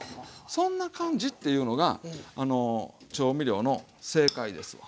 そんな感じっていうのが調味料の正解ですわ。